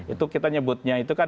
itu kita nyebutnya itu kan